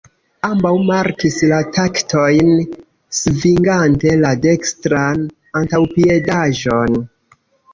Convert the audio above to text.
Ambaŭ markis la taktojn svingante la dekstran antaŭpiedaĵon.